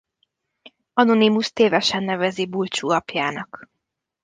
Anonymus tévesen nevezi Bulcsú apjának.